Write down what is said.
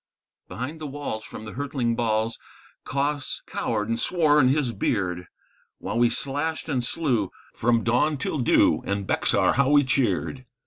_ Behind the walls from the hurtling balls Cos cowered and swore in his beard, While we slashed and slew from dawn till dew, and, Bexar, how we cheered!